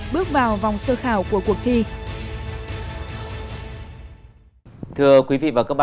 bước vào vòng sơ khảo của cuộc thi